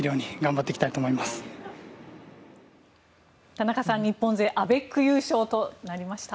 田中さん、日本勢アベック優勝となりました。